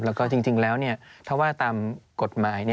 แล้วก็จริงแล้วถ้าว่าตามกฎหมาย